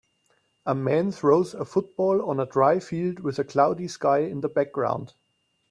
A man throws a football on a dry field with a cloudy sky in the background.